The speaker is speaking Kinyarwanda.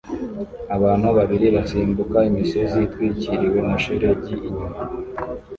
Abantu babiri basimbuka imisozi itwikiriwe na shelegi inyuma